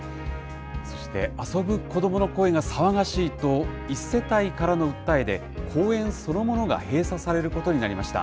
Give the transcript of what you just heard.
そして、遊ぶ子どもの声が騒がしいと、１世帯からの訴えで、公園そのものが閉鎖されることになりました。